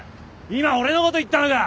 今オレのこと言ったのか！